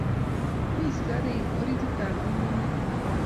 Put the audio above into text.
mii sikarik orititab nyung'unyek.